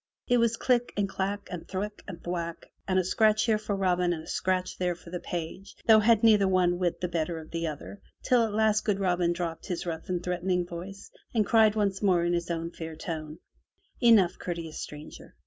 It was click and clack and thwack and whack, and a scratch here for Robin and a scratch there for the page, nor had either one whit the better of the other, till at last good Robin dropped his rough and threatening voice and cried once more in his own fair tone: "Enough, courteous stranger!